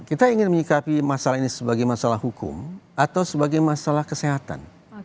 kita ingin menyikapi masalah ini sebagai masalah hukum atau sebagai masalah kesehatan